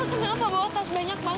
terima kasih banyak